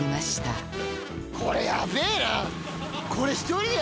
これやべえな。